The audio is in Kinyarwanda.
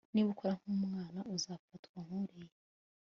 Niba ukora nkumwana uzafatwa nkuriya